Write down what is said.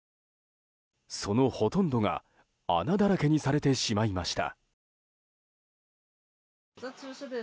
そのほとんどが穴だらけにされてしまいました。